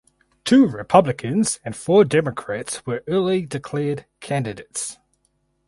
Two Republicans and four Democrats were early declared candidates.